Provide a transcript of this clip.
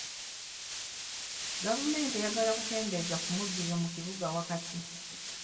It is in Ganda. Gavumenti eyagala kukendeeza ku mujjuzo mu kibuga wakati.